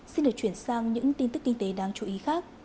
xin được chuyển sang những tin tức kinh tế đáng chú ý khác